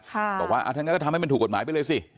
บอกว่าถ้างั้นก็ทำให้มันถูกกฎหมายไปเลยสิ